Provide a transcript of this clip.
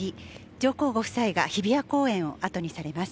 上皇ご夫妻が日比谷公園を後にされます。